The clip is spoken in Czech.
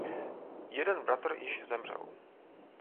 Jeden bratr již zemřel.